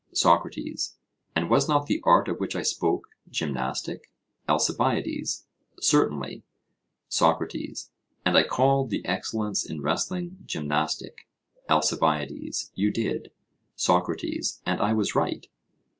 SOCRATES: And was not the art of which I spoke gymnastic? ALCIBIADES: Certainly. SOCRATES: And I called the excellence in wrestling gymnastic? ALCIBIADES: You did. SOCRATES: And I was right?